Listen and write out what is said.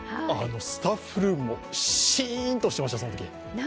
スタッフルームもシーンとしてました、さっき。